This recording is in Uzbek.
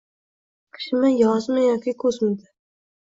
“…Qishmi, yozmi, yoki kuzimidi –